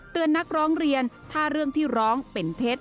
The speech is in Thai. นักร้องเรียนถ้าเรื่องที่ร้องเป็นเท็จ